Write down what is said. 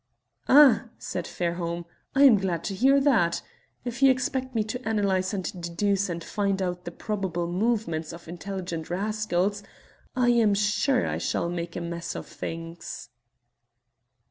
"Ah!" said Fairholme, "I am glad to hear that. If you expect me to analyse and deduce and find out the probable movements of intelligent rascals, I am sure I shall make a mess of things."